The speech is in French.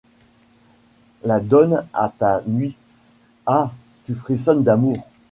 La donne à ta nuit… -Ah ! tu frissonnes d’amour